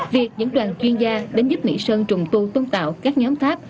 việc những đoàn chuyên gia đến giúp mỹ sơn trùng tu tôn tạo các nhóm pháp